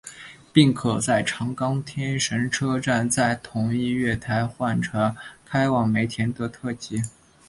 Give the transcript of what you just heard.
并可在长冈天神车站在同一月台换乘开往梅田的特急。